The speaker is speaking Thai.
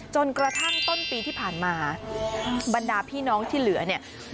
จนกระทั่งต้นปีที่ผ่านมาบรรดาพี่น้องที่เหลือเนี่ย